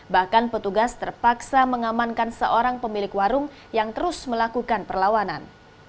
bahkan petugas terpaksa mengamankan seorang pemilik warung yang terus melakukan perlawanan